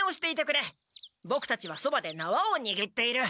ボクたちはそばでなわをにぎっている。